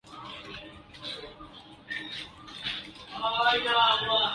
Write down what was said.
South Africa beat Pakistan in the Final to win the series.